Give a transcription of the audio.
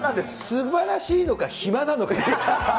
すばらしいのか暇なのかね。